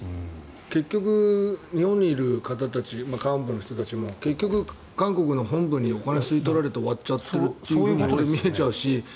結局、日本にいる方たち幹部の人たちも結局、韓国の本部にお金を吸い取られて終わっちゃってるって見えちゃうし